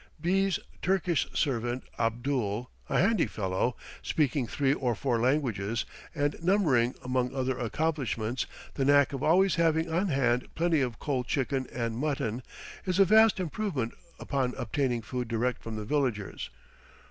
B___'s Turkish servant, Abdul, a handy fellow, speaking three or four languages, and numbering, among other accomplishments, the knack of always having on hand plenty of cold chicken and mutton, is a vast improvement upon obtaining food direct from the villagers.